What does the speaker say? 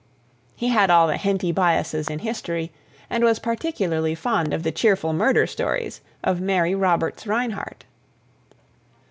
He had all the Henty biasses in history, and was particularly fond of the cheerful murder stories of Mary Roberts Rinehart.